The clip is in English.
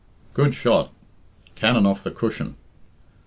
Good shotr cannon off the cushion.